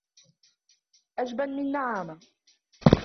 أجبن من نعامة